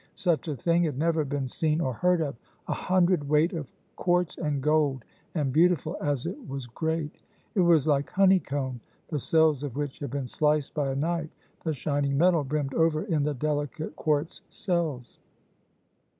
Such a thing had never been seen or heard of a hundred weight of quartz and gold, and beautiful as it was great. It was like honeycomb, the cells of which had been sliced by a knife; the shining metal brimmed over in the delicate quartz cells.